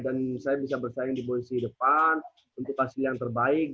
dan saya bisa bersaing di posisi depan untuk hasil yang terbaik